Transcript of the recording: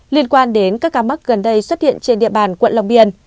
liên quan đến các ca mắc gần đây xuất hiện trên địa bàn quận long biên